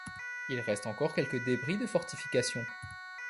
Il reste encore quelques débris de fortifications.